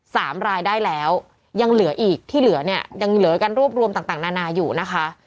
สามรายได้แล้วยังเหลืออีกที่เหลือเนี่ยยังเหลือกันรวบรวมต่างต่างนานาอยู่นะคะ